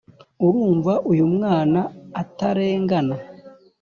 urumva uyu mwana atarengana